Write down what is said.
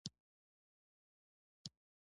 ازادي راډیو د ټولنیز بدلون ته پام اړولی.